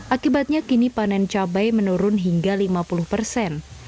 akibatnya kini panen cabai menurun hingga lima puluh persen